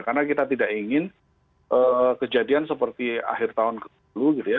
karena kita tidak ingin kejadian seperti akhir tahun dulu gitu ya